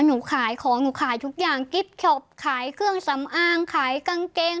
หนูขายของหนูขายทุกอย่างกิฟต์ช็อปขายเครื่องสำอางขายกางเกง